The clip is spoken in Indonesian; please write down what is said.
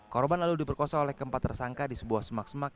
korban lalu diperkosa oleh keempat tersangka di sebuah semak semak